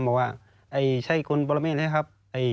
บอกว่าใช่คุณปรเมฆนะครับ